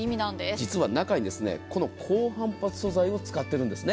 実は中に高反発素材を使っているんですね。